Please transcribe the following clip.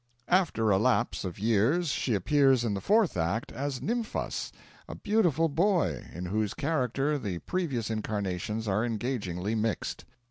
After a lapse of years she appears in the fourth act as Nymphas, a beautiful boy, in whose character the previous incarnations are engagingly mixed.